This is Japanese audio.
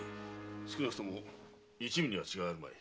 少なくとも一味には違いあるまい。